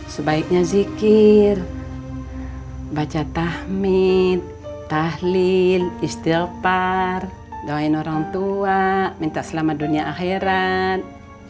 sebaiknya zikir baca tahmid tahlil istilpar doain orang tua minta selama dunia akhirat